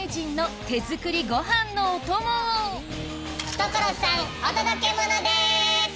所さんお届けモノです！